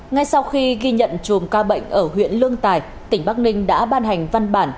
ngay sau khi ghi nhận chùm ca bệnh ở huyện lương tài tỉnh bắc ninh đã ban hành văn bản